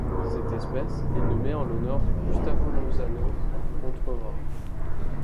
Cette espèce est nommée en l'honneur de Gustavo Lozano Contreras.